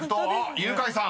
［犬飼さん